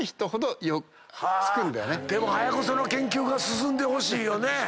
でも早くその研究が進んでほしいよね。